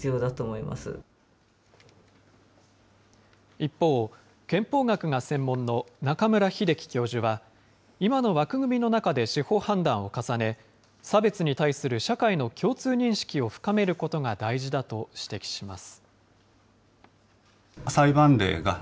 一方、憲法学が専門の中村英樹教授は、今の枠組みの中で司法判断を重ね、差別に対する社会の共通認識を深めることが大事だと指摘します。